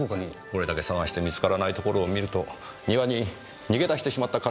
これだけ捜して見つからないところを見ると庭に逃げ出してしまった可能性が高いのでしょう。